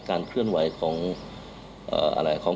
การเคลื่อนไหวของ